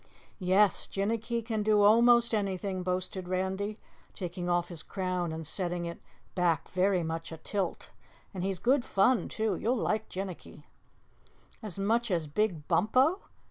"Yes, Jinnicky can do almost anything," boasted Randy, taking off his crown and setting it back very much atilt, "and he's good fun too. You'll like Jinnicky." "As much as Big Bumpo?"